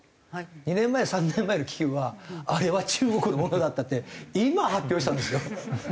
２年前３年前の気球はあれは中国のものだったって今発表したんですよ。